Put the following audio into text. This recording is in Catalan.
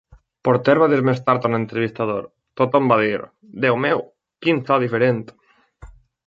Porter va dir més tard a un entrevistador: Tothom va dir: "Déu meu, quin so diferent!"